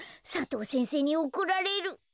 佐藤先生におこられる！